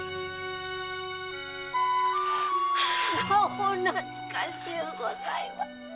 お懐かしゅうございます！